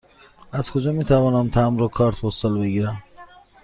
از کجا می توانم تمبر و کارت پستال بگیرم؟